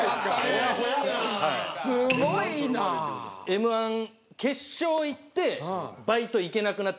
Ｍ−１決勝行ってバイト行けなくなって。